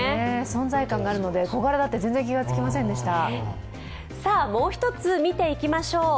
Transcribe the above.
存在感があるので小柄だって全然、気がつきませんでした。